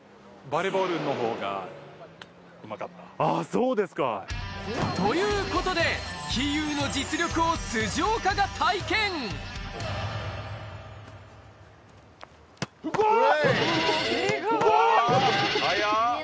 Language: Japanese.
そうですか。ということで飛勇の実力を岡が体験おぉ！